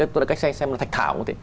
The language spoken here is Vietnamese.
tôi đã cách xem xem nó thạch thảo